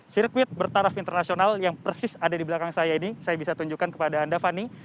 sirkuit bertaraf internasional yang persis ada di belakang saya ini saya bisa tunjukkan kepada anda fani